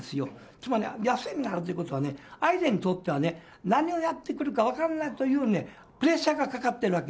つまり、野性味があるということは、相手にとってはね、何をやってくるか分からないというね、プレッシャーがかかってるわけ。